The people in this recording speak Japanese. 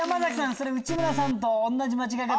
それ内村さんと同じ間違え方。